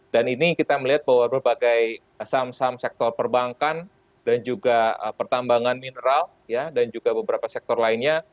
dan ini kita melihat bahwa berbagai saham saham sektor perbankan dan juga pertambangan mineral dan juga beberapa sektor lainnya